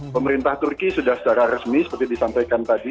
pemerintah turki sudah secara resmi seperti disampaikan tadi